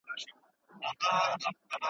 مهاراجا به سپیني لنګوټې شاه شجاع ته ور لیږي.